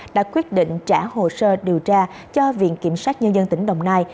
đã quyết định trả hồ sơ điều tra cho viện kiểm sát nhân dân tỉnh đồng nai